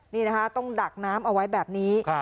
นี่นะคะต้องดักน้ำเอาไว้แบบนี้